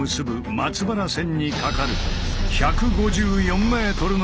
松原線にかかる１５４ｍの区間。